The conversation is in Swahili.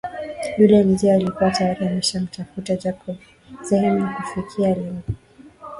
Yule mzee alikua tayari ameshamtafutia Jacob sehemu ya kufikia alimuelekeza na kumwambia ampe taarifa